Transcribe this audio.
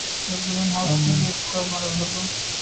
جب green house کی یہ اصطلاح ہمارے بزرگوں